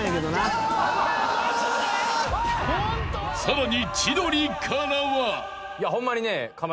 ［さらに］